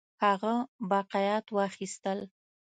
هغه باقیات واخیستل.